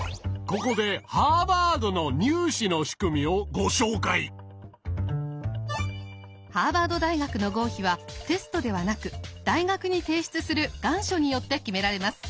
ここでハーバード大学の合否はテストではなく大学に提出する願書によって決められます。